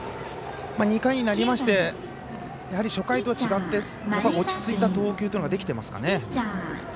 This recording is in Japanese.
２回投げまして、初回とは違って落ち着いた投球ができてますかね。